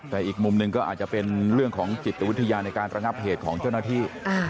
แต่อีกมุมหนึ่งก็อาจจะเป็นเรื่องของจิตวิทยาในการระงับเหตุของเจ้าหน้าที่